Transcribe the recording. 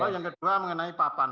yang kedua mengenai papan